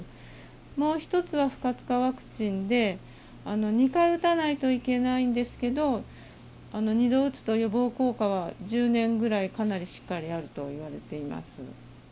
もう１つは、不活化ワクチンで２回打たないといけないんですけど２度打つと予防効果は１０年ぐらい、かなりしっかりあるといわれています。